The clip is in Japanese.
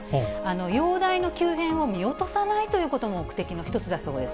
容体の急変を見落とさないということも目的の一つだそうです。